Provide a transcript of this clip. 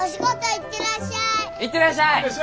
行ってらっしゃい。